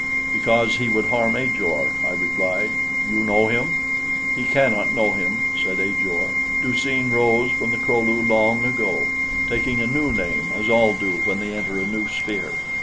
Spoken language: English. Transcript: "Because he would harm Ajor," I replied. "You know him?" "He cannot know him," said Ajor. "Du seen rose from the Kro lu long ago, taking a new name, as all do when they enter a new sphere.